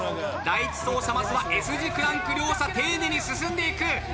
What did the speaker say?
第１走者まずはＳ字クランク両者丁寧に進んでいく。